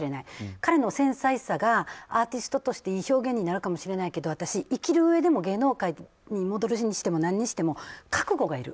彼の繊細さがアーティストとして生きるかもしれないけど、私生きるうえでも、芸能界に戻るにしてもなんにしても覚悟がいる。